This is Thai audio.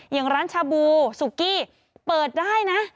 อย่างร้านชาบูซุกี้เปิดได้นะ